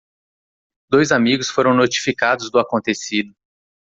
Dois amigos foram notificados do acontecido.